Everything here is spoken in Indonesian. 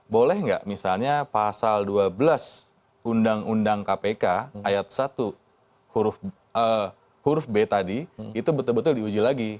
boleh nggak misalnya pasal dua belas undang undang kpk ayat satu huruf b tadi itu betul betul diuji lagi